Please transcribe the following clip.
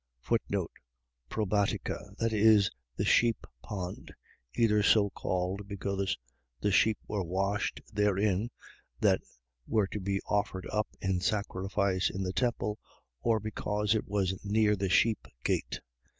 Probatica. . .That is, the sheep pond; either so called, because the sheep were washed therein, that were to be offered up in sacrifice in the temple, or because it was near the sheep gate.